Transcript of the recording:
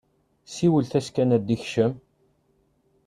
Siwlet-as kan ad d-ikcem!